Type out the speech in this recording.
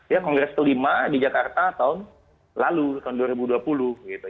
ya kongres kelima di jakarta tahun lalu tahun dua ribu dua puluh gitu